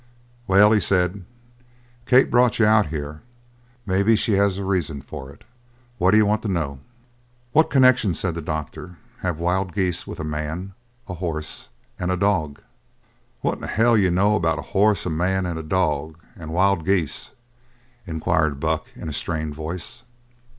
"Well," he said, "Kate brought you out here. Maybe she has a reason for it. What d'you want to know?" "What connection," said the doctor, "have wild geese with a man, a horse, and a dog?" "What in hell d'you know about a horse and a man and a dog and wild geese?" inquired Buck in a strained voice.